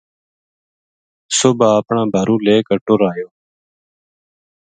صبح اپنا بھارُو لے کے ٹُر آیو